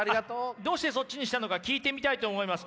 どうしてそっちにしたのか聞いてみたいと思います。